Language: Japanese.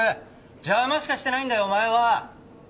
邪魔しかしてないんだよお前は！